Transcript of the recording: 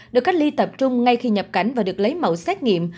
được cách ly tập trung ngay khi nhập cảnh và được lấy mẫu xét nghiệm